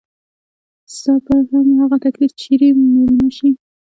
ستا به هم هغه تکليف چري ميلمه شي